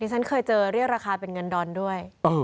ฉันเคยเจอเรียกราคาเป็นเงินดอนด้วย